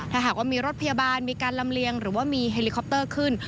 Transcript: ถ้าหากว่ามีรถพยาบาลมีการลำเลียงหรือว่ามีเฮลิคอปเตอร์ขึ้น